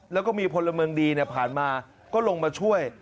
แล้วก็มีพลเมืองดีผ่านมาก็ลงมาช่วย